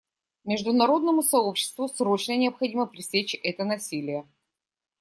Международному сообществу срочно необходимо пресечь это насилие.